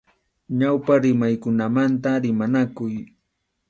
Ñawpa rimaykunamanta rimanakuy.